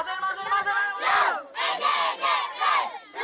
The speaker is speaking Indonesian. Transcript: masuk masuk masuk